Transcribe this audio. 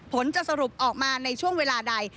ผลจะสรุปออกมาในช่วงเวลาใด